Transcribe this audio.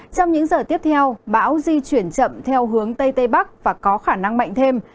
trong những giờ tiếp theo bão di chuyển chậm theo hướng tây tây bắc và có khả năng mạnh thêm